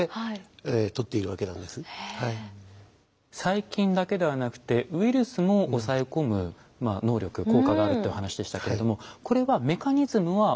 細菌だけではなくてウイルスも抑え込む能力効果があるってお話でしたけれどもこれはメカニズムは同じなんでしょうか？